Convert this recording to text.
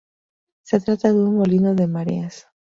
Se trata de un molino de mareas.